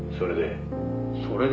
「それで？」